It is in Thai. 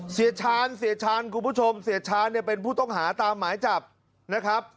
ชาญเสียชาญคุณผู้ชมเสียชาญเนี่ยเป็นผู้ต้องหาตามหมายจับนะครับ